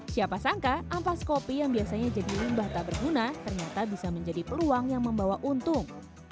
siapa sangka ampas kopi yang biasanya jadi limbah tak berguna ternyata bisa menjadi peluang yang membawa untung